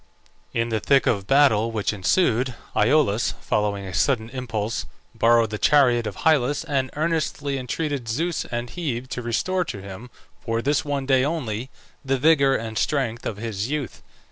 In the thick of the battle which ensued, Iolaus, following a sudden impulse, borrowed the chariot of Hyllus, and earnestly entreated Zeus and Hebe to restore to him, for this one day only, the vigour and strength of his youth.